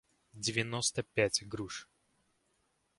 девяносто пять груш